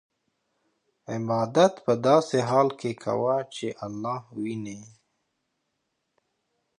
عبادت په داسې حال کې کوه چې الله وینې.